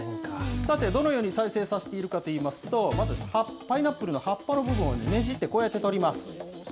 さて、どのように再生させているかといいますと、まずパイナップルの葉っぱの部分をねじって、こうやって取ります。